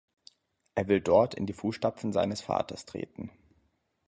Er will dort in die Fußstapfen seines Vaters treten.